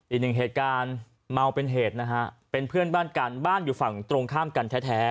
อีกหนึ่งเหตุการณ์เมาเป็นเหตุนะฮะเป็นเพื่อนบ้านกันบ้านอยู่ฝั่งตรงข้ามกันแท้